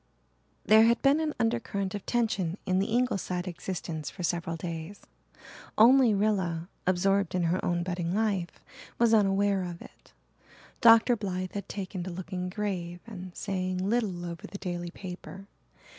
There had been an undercurrent of tension in the Ingleside existence for several days. Only Rilla, absorbed in her own budding life, was unaware of it. Dr. Blythe had taken to looking grave and saying little over the daily paper.